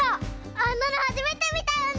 あんなのはじめてみたよね！